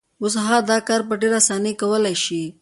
اوس هغه دا کار په ډېرې اسانۍ کولای شي.